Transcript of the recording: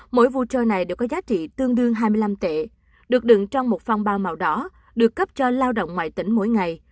mỗi voucher này được có giá trị tương đương hai mươi năm tệ được đựng trong một phong bao màu đỏ được cấp cho lao động ngoài tỉnh mỗi ngày